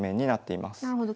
なるほど。